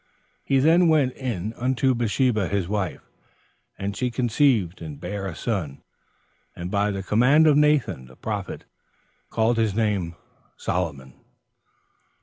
He then went in unto Bathsheba his wife, and she conceived and bare a son; and by the command of Nathan the prophet called his name Solomon.